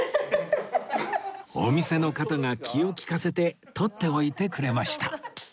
お店の方が気を利かせてとっておいてくれました